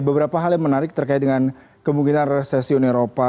beberapa hal yang menarik terkait dengan kemungkinan resesi uni eropa